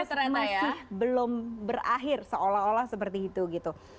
masih belum berakhir seolah olah seperti itu gitu